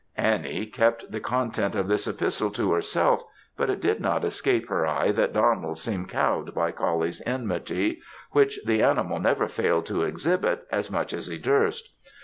Annie kept the contents of this epistle to herself, but it did not escape her eye that Donald seemed cowed by Coullie's enmity, which the animal never failed to exhibit as much as he durst.